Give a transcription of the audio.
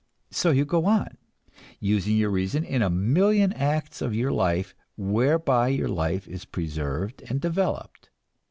So you go on, using your reason in a million acts of your life whereby your life is preserved and developed.